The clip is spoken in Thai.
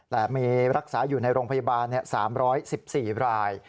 แต่มีรักษาอยู่ในโรงพยาบาล๓๑๔ราย